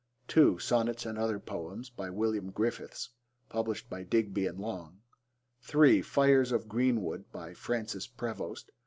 (2) Sonnets and Other Poems. By William Griffiths. (Digby and Long.) (3) Fires of Green Wood. By Francis Prevost.